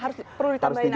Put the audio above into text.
harus ditambahin apa